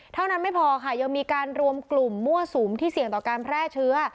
เท่านั้นไม่พอค่ะยังมีการรวมกลุ่มมั่วสุมที่เสี่ยงต่อการแพร่เชื้อ